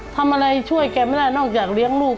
ทำอะไรช่วยแกไม่ได้นอกจากเลี้ยงลูก